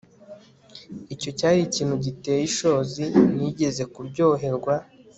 Icyo cyari ikintu giteye ishozi nigeze kuryoherwa